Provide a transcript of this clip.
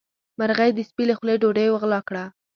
مرغۍ د سپي له خولې ډوډۍ وغلا کړه.